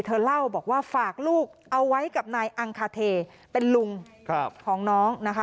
เธอเล่าบอกว่าฝากลูกเอาไว้กับนายอังคาเทเป็นลุงของน้องนะคะ